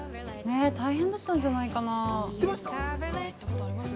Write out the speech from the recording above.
大変だったんじゃないかな。